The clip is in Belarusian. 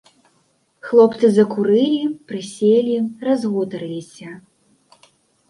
Хлопцы закурылі, прыселі, разгутарыліся.